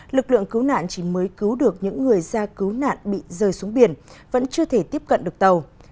lực lượng cứu nạn chỉ mới cứu được những người ra cứu nạn bị rơi xuống biển vẫn chưa thể tiếp cận được tàu